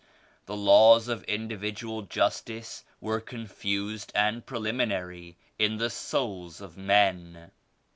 The laws of individual justice were con fused and preliminary in the souls of men.